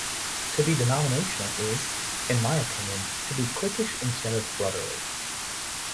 To be denominational is, in my opinion, to be cliquish instead of brotherly.